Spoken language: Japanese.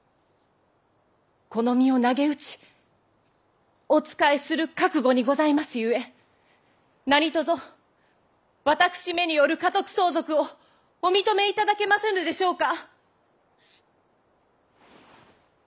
この身をなげうちお仕えする覚悟にございますゆえ何とぞ私めによる家督相続をお認め頂けませぬでしょうか！